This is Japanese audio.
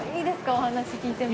お話聞いても。